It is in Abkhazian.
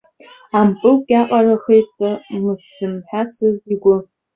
Ампылк иаҟарахеит мыц зымҳәацыз игәы.